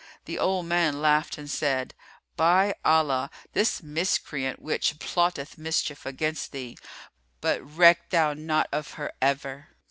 The old man laughed and said, "By Allah, this miscreant witch plotteth mischief against thee; but reck thou not of her ever!"